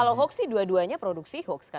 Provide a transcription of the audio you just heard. kalau hoax sih dua duanya produksi hoax kan